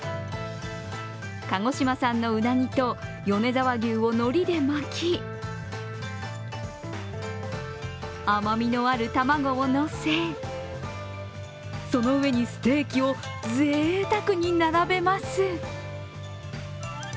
鹿児島産のうなぎと米沢牛をのりで巻き甘みのある卵を載せ、その上にステーキをぜいたくに並べます。